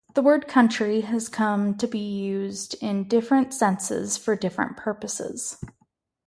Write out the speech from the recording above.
The word "county" has come to be used in different senses for different purposes.